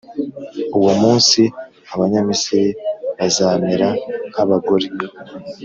Uwo munsi, Abanyamisiri bazamera nk’abagore,